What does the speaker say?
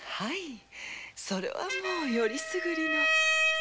それはもうよりすぐりの。